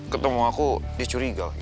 ketemu aku dia curiga